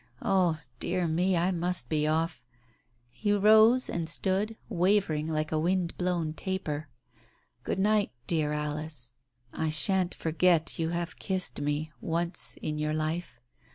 . Oh, dear me ! I must be off." He rose, and stood, wavering like a wind blown taper. "Good night, dear Alice, I shan't forget you have kissed me — once in your life.